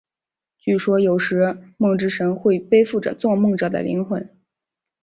据说有时梦之神会背负着做梦者的灵魂。